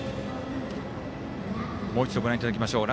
もう一度ご覧いただきましょう。